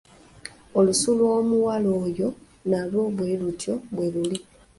Olususu lw'omuwala oyo nalwo bwe lutyo bwe luli.